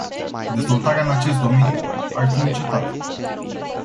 Dezvoltarea în acest domeniu ar fi încetat.